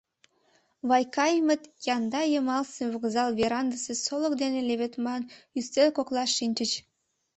Вайкаимыт янда йымалсе вокзал верандысе солык дене леведман ӱстел коклаш шинчыч.